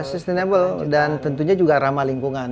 sustainable dan tentunya juga ramah lingkungan